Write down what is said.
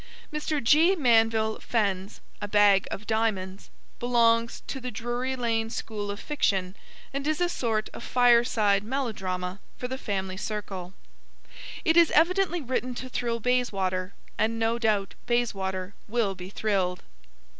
Mr. G. Manville Fenn's A Bag of Diamonds belongs to the Drury Lane School of Fiction and is a sort of fireside melodrama for the family circle. It is evidently written to thrill Bayswater, and no doubt Bayswater will be thrilled.